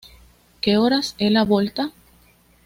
Que Horas Ela Volta?